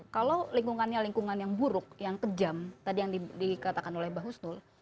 kalau lingkungannya lingkungan yang buruk yang kejam tadi yang dikatakan oleh mbak husnul